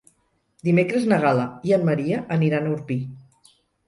Dimecres na Gal·la i en Maria aniran a Orpí.